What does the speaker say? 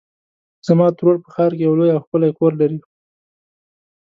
زما ترور په ښار کې یو لوی او ښکلی کور لري.